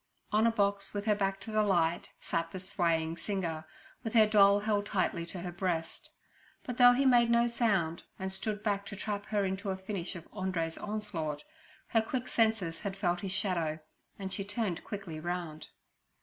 On a box, with her back to the light, sat the swaying singer, with her doll held tightly to her breast. But though he made no sound and stood back to trap her into a finish of Andrew's onslaught, her quick senses had felt his shadow, and she turned quickly round.